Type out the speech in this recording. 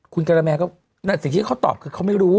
คุณกะละแมก็สิ่งที่เขาตอบคือเขาไม่รู้